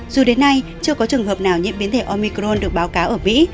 dù đến nay chưa có trường hợp nào nhiễm biến thể omicron được báo cáo ở mỹ